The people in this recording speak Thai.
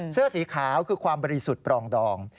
เสื้อสีขาวคือความบริสุทธิ์ปรองดอง